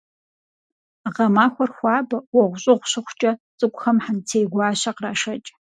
Гъэмахуэр хуабэ, уэгъущӏыгъу щыхъукӏэ, цӏыкӏухэм хьэнцейгуащэ кърашэкӏ.